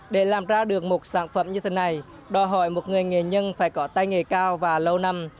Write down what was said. để làm ra được một sản phẩm như thế này đòi hỏi một người nghệ nhân phải có tay nghề cao và lâu năm